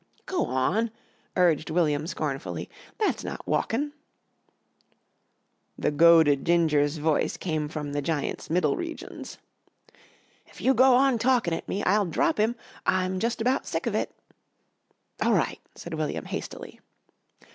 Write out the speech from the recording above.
"Go on," urged William scornfully, "That's not walkin'." The goaded Ginger's voice came from the giant's middle regions! "If you go on talkin' at me, I'll drop him. I'm just about sick of it." "All right," said William hastily.